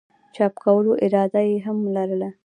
چاپ کولو اراده ئې هم لرله